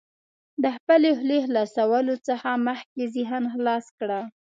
د خپلې خولې خلاصولو څخه مخکې ذهن خلاص کړه.